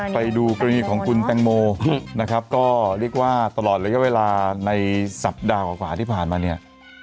ไปดูกรณีของคุณแตงโมนะครับก็เรียกว่าตลอดระยะเวลาในสัปดาห์กว่าที่ผ่านมาเนี่ย